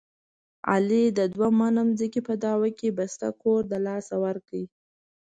علي د دوه منه ځمکې په دعوه کې بسته کور دلاسه ورکړ.